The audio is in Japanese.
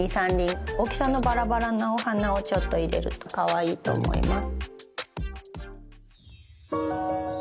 大きさのばらばらなお花をちょっと入れるとかわいいと思います。